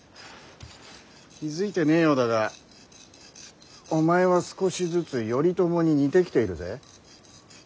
気付いてねえようだがお前は少しずつ頼朝に似てきているぜ。